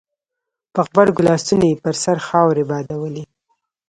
په غبرګو لاسونو يې پر سر خاورې بادولې.